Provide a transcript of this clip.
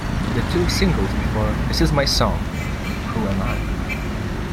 The two singles before "This Is My Song", "Who Am I?